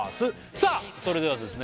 さあそれではですね